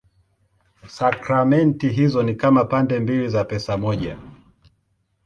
Sakramenti hizo ni kama pande mbili za pesa moja.